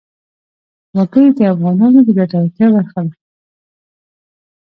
وګړي د افغانانو د ګټورتیا برخه ده.